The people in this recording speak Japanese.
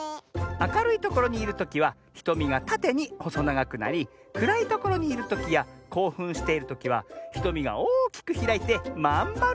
あかるいところにいるときはひとみがたてにほそながくなりくらいところにいるときやこうふんしているときはひとみがおおきくひらいてまんまるになるのミズ！